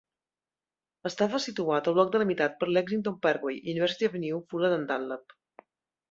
Estava situat al bloc delimitat per Lexington Parkway, University Avenue, Fuller i Dunlap.